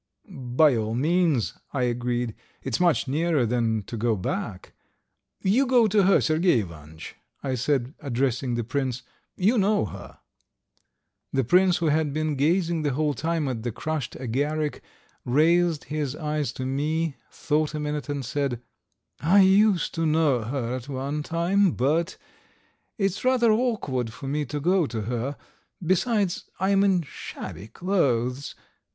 Ha ha ... he he !" "By all means," I agreed. "It's much nearer than to go back. ... You go to her, Sergey Ivanitch," I said, addressing the prince. "You know her." The prince, who had been gazing the whole time at the crushed agaric, raised his eyes to me, thought a minute, and said: "I used to know her at one time, but ... it's rather awkward for me to go to her. Besides, I am in shabby clothes.